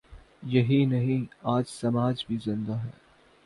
یہی نہیں، آج سماج بھی زندہ ہے۔